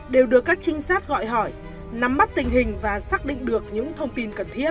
đều được các trinh sát gọi hỏi nắm bắt tình hình và xác định được những thông tin cần thiết